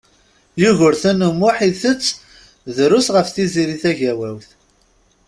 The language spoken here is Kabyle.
Yugurten U Muḥ itett drus ɣef Tiziri Tagawawt.